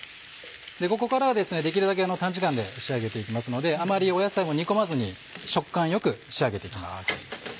ここからはできるだけ短時間で仕上げて行きますのであまり野菜を煮込まずに食感よく仕上げて行きます。